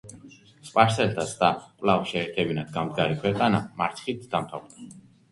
სპარსელთა ცდა, კვლავ შეეერთებინათ გამდგარი ქვეყანა, მარცხით დამთავრდა.